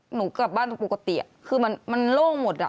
หนูกลับบ้านปกติคือมันโล่งหมดอ่ะ